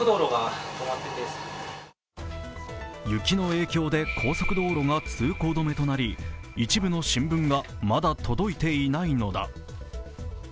雪の影響で高速道路が通行止めとなり一部の新聞がまだ届いていないのだ。